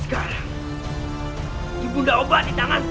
sekarang cipta obat di tanganku